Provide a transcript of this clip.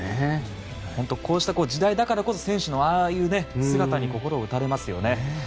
こうした時代だからこそ選手のああいう姿に心を打たれますよね。